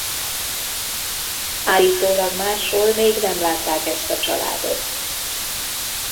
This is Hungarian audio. Állítólag máshol még nem látták ezt a családot.